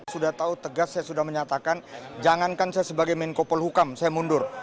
sudah tahu tegas saya sudah menyatakan jangankan saya sebagai menko polhukam saya mundur